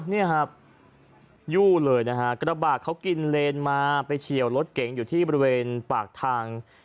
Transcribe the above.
เนี่ยครับยู่เลยนะฮะกระบาดเขากินเลนมาไปเฉียวรถเก๋งอยู่ที่บริเวณปากทาง